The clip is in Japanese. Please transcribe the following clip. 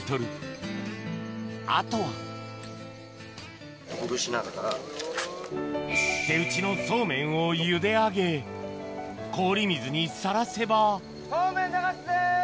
あとは・ほぐしながら・手打ちのそうめんをゆで上げ氷水にさらせばそうめん流すぜ！